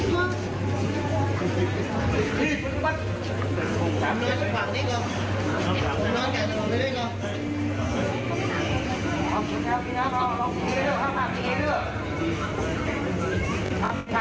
ไม่คิดว่าจะตรงไปที่ลานจอดฮอล์หรือเปล่า